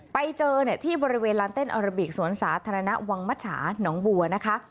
ไปเจอที่บริเวณลานเต้นอาราบิกสวนสาธารณะวังมัชชาหนองบัวนะคะ